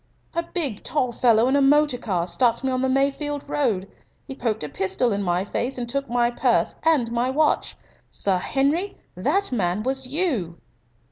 "A big, tall fellow in a motor car stopped me on the Mayfield road. He poked a pistol in my face and took my purse and my watch. Sir Henry, that man was you."